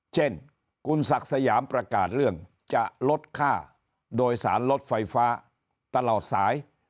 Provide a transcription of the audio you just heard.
เช่นคุณศักดิ์สยามประกาศเรื่องจะลดค่าโดยสารรถไฟฟ้าตลอดสาย